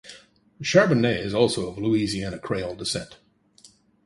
Charbonnet is also of Louisiana Creole descent.